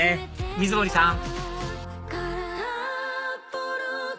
水森さん